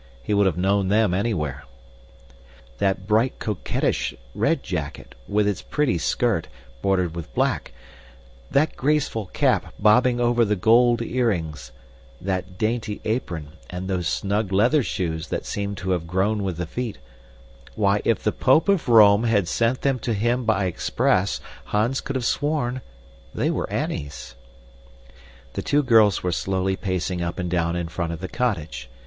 He would have known them anywhere. That bright coquettish red jacket, with its pretty skirt, bordered with black, that graceful cap bobbing over the gold earrings, that dainty apron, and those snug leather shoes that seemed to have grown with the feet why if the Pope of Rome had sent them to him by express, Hans could have sworn they were Annie's. The two girls were slowly pacing up and down in front of the cottage.